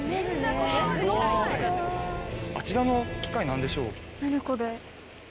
すごい！あちらの機械何でしょう？